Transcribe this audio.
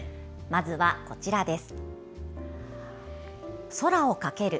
まずはこちらです。